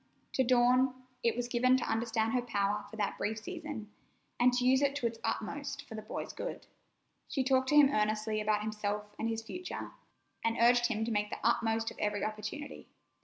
To Dawn, it was given to understand her power for that brief season, and to use it to its utmost for the boy's good. She talked to him earnestly about himself and his future, and urged him to make the utmost of every opportunity.